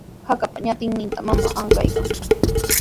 Hakapa ñatinnintami mamaa ankaykan.